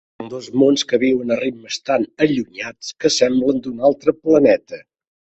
Són dos mons que viuen a ritmes tan allunyats que semblen d'un altre planeta.